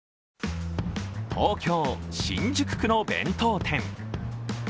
東京・新宿区の弁当店。